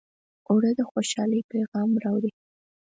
اوړه د خوشحالۍ پیغام راوړي